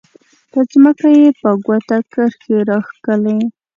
په ځمکه یې په ګوته کرښې راښکلې.